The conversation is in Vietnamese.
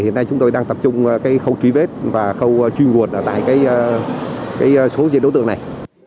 hiện nay chúng tôi đang tập trung khâu truy vết và khâu truy nguột tại số diện đối tượng này